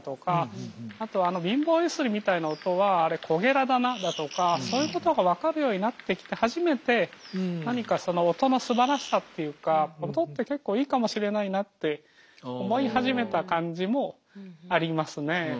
あとあの貧乏揺すりみたいな音はあれコゲラだなだとかそういうことが分かるようになってきて初めて何かその音のすばらしさっていうか音って結構いいかもしれないなって思い始めた感じもありますね。